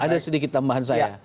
ada sedikit tambahan saya